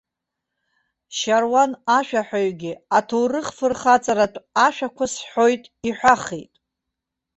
Шьаруан ашәаҳәаҩгьы аҭоурых-фырхаҵаратә ашәақәа сҳәоит иҳәахит.